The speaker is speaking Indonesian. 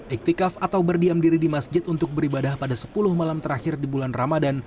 iktikaf atau berdiam diri di masjid untuk beribadah pada sepuluh malam terakhir di bulan ramadan